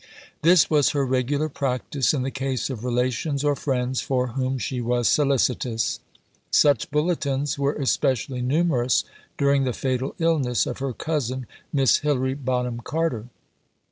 This was her regular practice in the case of relations or friends for whom she was solicitous. Such bulletins were especially numerous during the fatal illness of her cousin, Miss Hilary Bonham Carter.